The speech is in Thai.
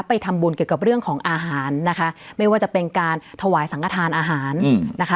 ไปทำบุญเกี่ยวกับเรื่องของอาหารนะคะไม่ว่าจะเป็นการถวายสังกระทานอาหารนะคะ